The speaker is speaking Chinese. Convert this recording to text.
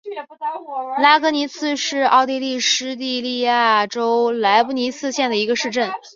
拉格尼茨是奥地利施蒂利亚州莱布尼茨县的一个市镇。